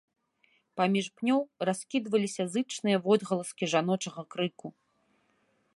Паміж пнёў раскідваліся зычныя водгаласкі жаночага крыку.